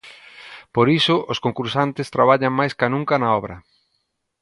Por iso, os concursantes traballan máis ca nunca na obra.